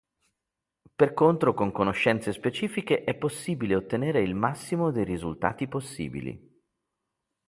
Per contro con conoscenze specifiche è possibile ottenere il massimo dei risultati possibili.